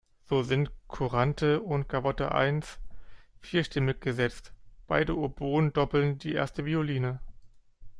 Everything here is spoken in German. So sind "Courante" und "Gavotte I" vierstimmig gesetzt; beide Oboen doppeln die erste Violine.